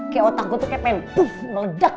kayak otak gue tuh pengen meledak